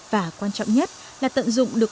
và quan trọng nhất là tận dụng được